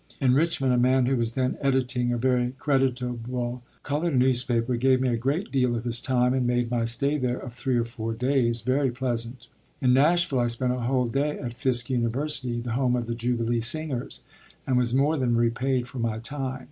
In Richmond a man who was then editing a very creditable colored newspaper gave me a great deal of his time and made my stay there of three or four days very pleasant. In Nashville I spent a whole day at Fisk University, the home of the "Jubilee Singers," and was more than repaid for my time.